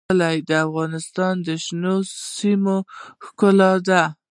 کلي د افغانستان د شنو سیمو ښکلا ده.